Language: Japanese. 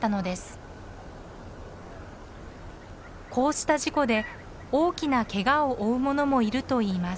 こうした事故で大きなけがを負うものもいるといいます。